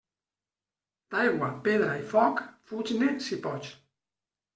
D'aigua, pedra i foc, fuig-ne si pots.